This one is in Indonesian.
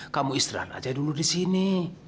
kamu istirahat aja dulu di sini